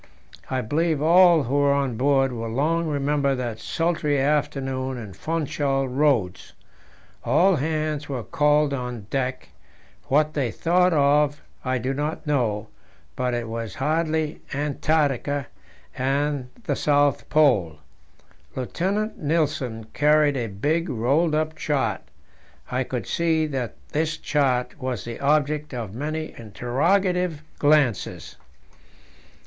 I believe all who were on board will long remember that sultry afternoon in Funchal Roads. All hands were called on deck: what they thought of I do not know, but it was hardly Antarctica and the South Pole. Lieutenant Nilsen carried a big rolled up chart; I could see that this chart was the object of many interrogative glances.